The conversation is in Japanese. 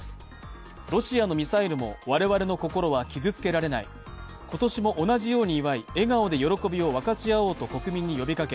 ロシアのミサイルも我々の心は傷つけられない、今年も同じように祝い、笑顔で喜びを分かち合おうと国民に呼びかけ